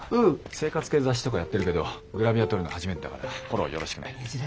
生活系雑誌とかやってるけどグラビア撮るの初めてだからフォローよろしくね。